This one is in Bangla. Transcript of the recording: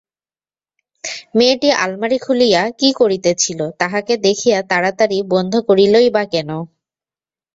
মেয়েটি আলমারি খুলিয়া কী করিতেছিল, তাহাকে দেখিয়া তাড়াতাড়ি বন্ধ করিলই বা কেন?